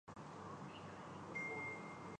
film کی cast میں ورون دھون